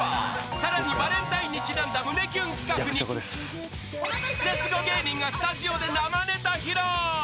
更に、バレンタインにちなんだ胸キュン企画にクセスゴ芸人がスタジオで生ネタ披露。